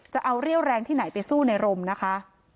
จะเอาเรี่ยวแรงที่ไหนไปสู้ในรมนะคะ